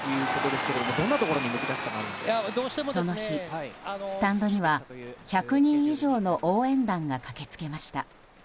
その日、スタンドには１００人以上の応援団が駆けつけました。